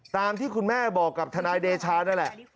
ตามที่คุณแม่บอกกับทนายเดชานั่นแหละ